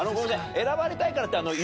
選ばれたいからって。